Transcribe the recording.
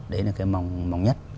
đấy là cái mong nhất